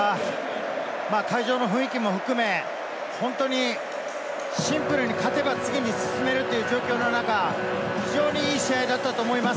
会場の雰囲気も含め、本当にシンプルに、勝てば次に進めるという状況の中、非常にいい試合だったと思います。